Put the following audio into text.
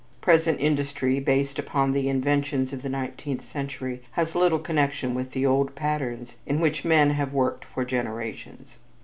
Present industry based upon the inventions of the nineteenth century has little connection with the old patterns in which men have worked for generations.